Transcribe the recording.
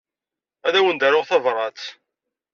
Ad awen-d-aruɣ tabṛat.